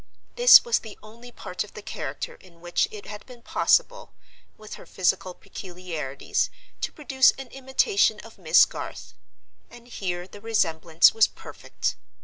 This was the only part of the character in which it had been possible, with her physical peculiarities, to produce an imitation of Miss Garth; and here the resemblance was perfect.